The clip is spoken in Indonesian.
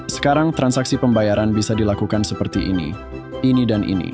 sekarang transaksi pembayaran bisa dilakukan seperti ini ini dan ini